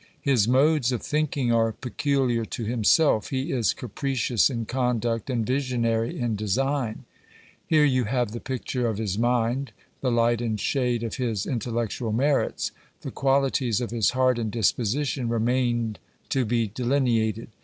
His modes of thinking are peculiar to himself; he is capricious in conduct, and visionary in design. Here you have the picture of his mind, the light and shade of his intellectual merits : the qualities of his heart and disposition remain to be delineated.